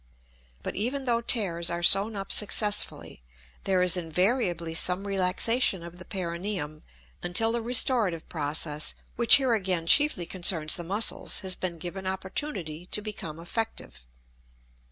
But even though tears are sewn up successfully, there is invariably some relaxation of the perineum until the restorative process, which here again chiefly concerns the muscles, has been given opportunity to become effective.